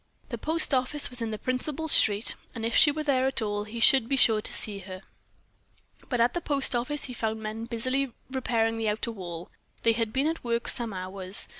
The post office was in the principal street, and if she were there at all, he should be sure to see her. But at the post office he found men busily repairing the outer wall they had been at work some hours.